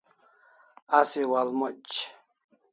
Asi wa'al moc